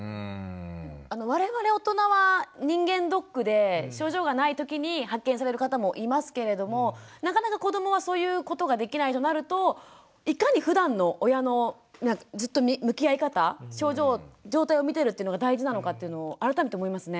我々大人は人間ドックで症状がないときに発見される方もいますけれどもなかなか子どもはそういうことができないとなるといかにふだんの親のずっと向き合い方症状状態を見てるっていうのが大事なのかっていうのを改めて思いますね。